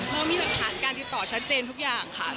เรามีหลักฐานการติดต่อชัดเจนทุกอย่างค่ะ